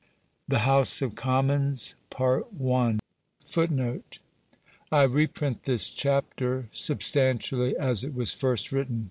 THE HOUSE OF COMMONS. [Footnote: I reprint this chapter substantially as it was first written.